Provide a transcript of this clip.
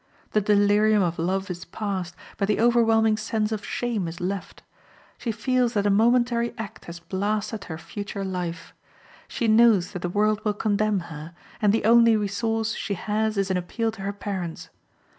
The delirium of love is past, but the overwhelming sense of shame is left; she feels that a momentary act has blasted her future life; she knows that the world will condemn her, and the only resource she has is an appeal to her parents.